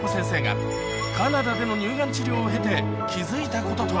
カナダでの乳がん治療を経て気付いたこととは？